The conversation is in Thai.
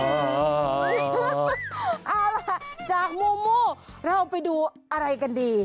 เอาล่ะจากมูเราไปดูอะไรกันดี